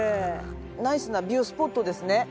ナイスなビュースポットですね。